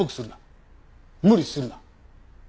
無理するな。